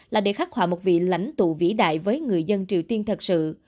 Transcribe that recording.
là để khắc họa một vị lãnh tụ vĩ đại với người dân triều tiên thật sự